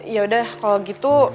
yaudah kalau gitu